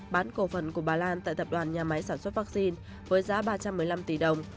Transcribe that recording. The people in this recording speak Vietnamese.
bán cổ phần của bà lan tại tập đoàn nhà máy sản xuất vaccine với giá ba trăm một mươi năm tỷ đồng